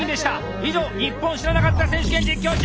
以上「ニッポン知らなかった選手権実況中！」